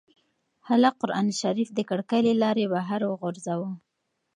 هلک قرانشریف د کړکۍ له لارې بهر وغورځاوه.